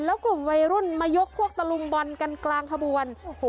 แล้วกลุ่มวัยรุ่นมายกพวกตะลุมบอลกันกลางขบวนโอ้โห